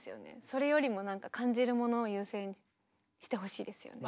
それよりもなんか感じるものを優先してほしいですよね。